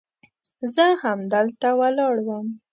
زه همدلته ولاړ وم.